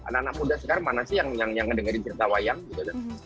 anak anak muda sekarang mana sih yang ngedengerin cerita wayang gitu